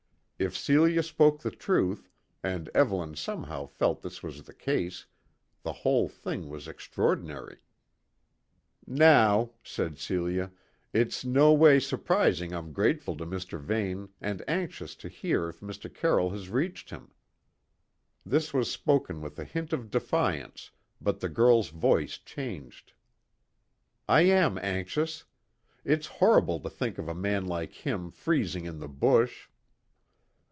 If Celia spoke the truth, and Evelyn somehow felt this was the case, the whole thing was extraordinary. "Now," said Celia, "it's no way surprising I'm grateful to Mr. Vane and anxious to hear if Mr. Carroll has reached him." This was spoken with a hint of defiance, but the girl's voice changed. "I am anxious. It's horrible to think of a man like him freezing in the bush."